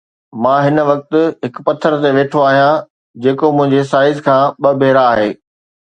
مان هن وقت هڪ پٿر تي ويٺو آهيان جيڪو منهنجي سائيز کان ٻه ڀيرا آهي